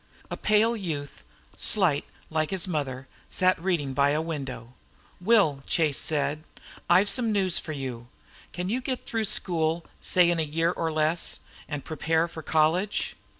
A pale youth, slight, like his mother, sat reading by a window. "Will," said Chase, "I've some news for you. Can you get through school, say in a year or less, and prepare for college?"